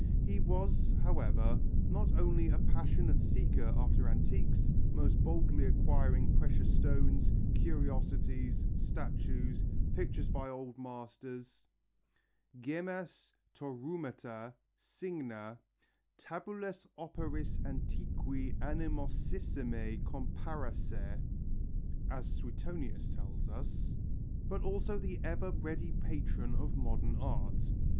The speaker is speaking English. He was, however, not only a passionate seeker after antiques, most boldly acquiring precious stones, curiosities, statues, pictures by old masters (gemmas, tereumata, signa, tabulas operis antiqui animosissime comparasse), as Suetonius tells us, but also the ever ready patron of modern art.